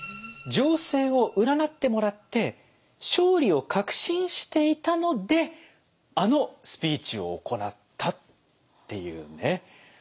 情勢を占ってもらって勝利を確信していたのであのスピーチを行ったっていうね。